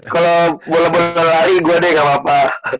kalau boleh boleh lari gua deh gapapa